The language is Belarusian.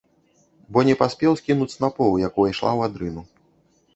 Бо не паспеў скінуць снапоў, як увайшла ў адрыну.